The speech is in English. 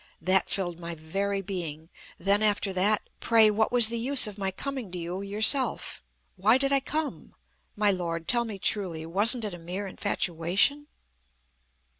That filled my very being. Then, after that, pray what was the use of my coming to you yourself? Why did I come? My Lord, tell me truly, wasn't it a mere infatuation?"